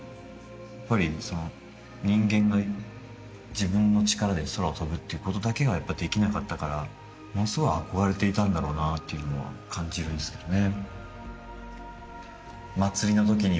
やっぱりその人間が自分の力で空を飛ぶっていうことだけがやっぱできなかったからものすごい憧れていたんだろうなっていうのは感じるんですけどね